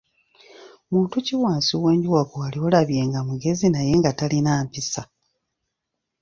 Muntu ki wansi w'enjuba gwe wali olabye nga mugezi naye nga talina mpisa?